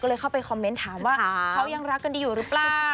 ก็เลยเข้าไปคอมเมนต์ถามว่าเขายังรักกันดีอยู่หรือเปล่า